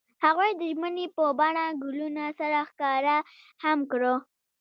هغوی د ژمنې په بڼه ګلونه سره ښکاره هم کړه.